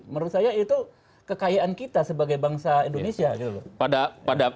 menurut saya itu kekayaan kita sebagai bangsa indonesia